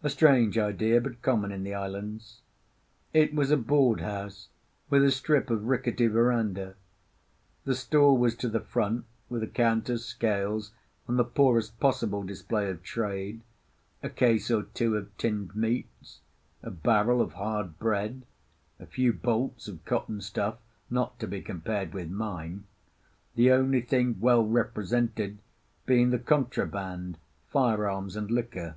a strange idea, but common in the islands. It was a board house with a strip of rickety verandah. The store was to the front, with a counter, scales, and the poorest possible display of trade: a case or two of tinned meats; a barrel of hard bread; a few bolts of cotton stuff, not to be compared with mine; the only thing well represented being the contraband, firearms and liquor.